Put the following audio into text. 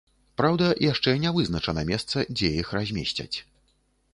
Праўда, яшчэ не вызначана месца, дзе іх размесцяць.